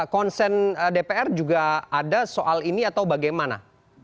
konsen dpr juga ada soal ini atau bagaimana